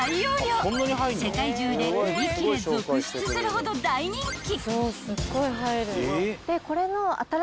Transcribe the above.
［世界中で売り切れ続出するほど大人気］